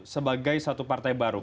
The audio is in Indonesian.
sebagai satu partai baru